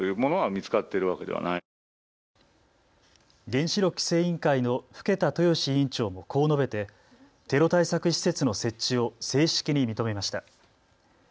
原子力規制委員会の更田豊志委員長もこう述べて、テロ対策施設の設置を正式に認めました。